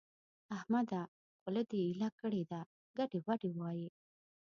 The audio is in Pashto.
احمده! خوله دې ايله کړې ده؛ ګډې وډې وايې.